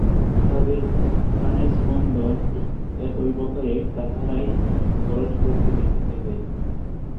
তাহাদের প্রাণের স্পন্দন একই প্রকারের, তাহারাই পরস্পরকে দেখিতে পাইবে।